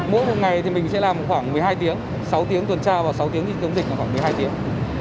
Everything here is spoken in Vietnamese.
mỗi một ngày thì mình sẽ làm khoảng một mươi hai tiếng sáu tiếng tuần tra và sáu tiếng thì chống dịch khoảng một mươi hai tiếng